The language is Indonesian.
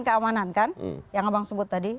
keamanan kan yang abang sebut tadi